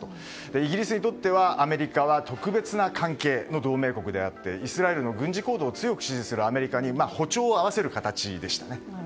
イギリスにとっては、アメリカは特別な関係の同盟国であってイスラエルの軍事行動を強く支持するアメリカに歩調を合わせる形でしたね。